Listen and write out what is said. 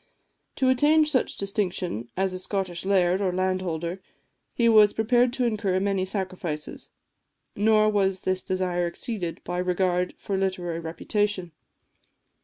To attain such distinction as a Scottish laird, or landholder, he was prepared to incur many sacrifices; nor was this desire exceeded by regard for literary reputation.